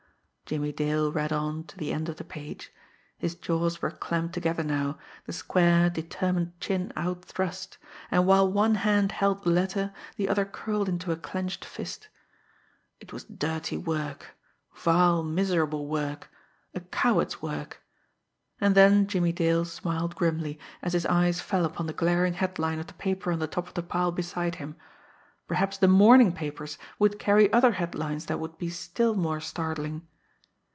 Jimmie Dale read on to the end of the page. His jaws were clamped together now, the square, determined chin out thrust; and while one hand held the letter, the other curled into a clenched fist. It was dirty work vile, miserable work a coward's work! And then Jimmie Dale smiled grimly, as his eyes fell upon the glaring headline of the paper on the top of the pile beside him. Perhaps the morning papers would carry other headlines that would be still more startling!